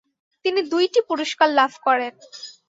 তিনি দুইটি পুরস্কার লাভ করেন।